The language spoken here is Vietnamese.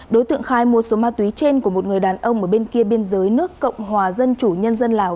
đối tượng khai mua số ma túy trên của một người đàn ông ở bên kia biên giới nước cộng hòa dân chủ nhân dân lào